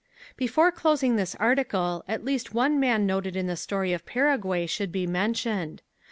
Before closing this article at least one man noted in the story of Paraguay should be mentioned.